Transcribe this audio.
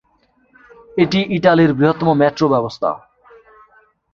এটি ইটালির বৃহত্তম মেট্রো ব্যবস্থা।